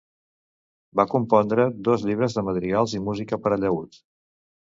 Va compondre dos llibres de madrigals i música per a llaüt.